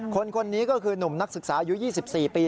คนนี้ก็คือหนุ่มนักศึกษาอายุ๒๔ปี